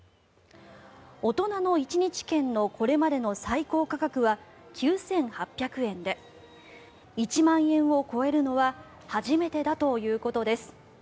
大人の１日券のこれまでの最高価格は９８００円で１万円を超えるのは初めてだということです。